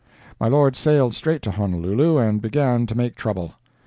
My Lord sailed straight to Honolulu and began to make trouble.